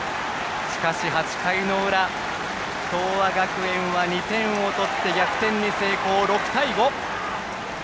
しかし、８回の裏東亜学園は２点を取って逆転に成功、６対５。